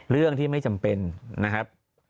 เรื่องที่ไม่จำเป็นนะครับ